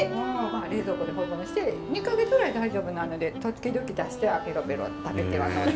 冷蔵庫で保存して２か月ぐらい大丈夫なので時々出してはペロペロ食べては呑んで。